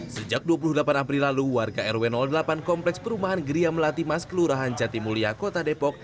sejak dua puluh delapan april lalu warga rw delapan kompleks perumahan geria melati mas kelurahan jatimulia kota depok